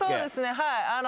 はい。